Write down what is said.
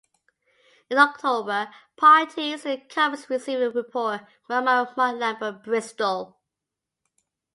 In October, parties to the conference received a report from Admiral Mark Lambert Bristol.